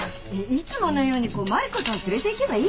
いつものように万理子ちゃん連れていけばいいじゃん。